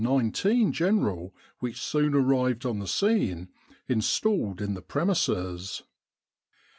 19 General which soon arrived on the scene, installed in the premises.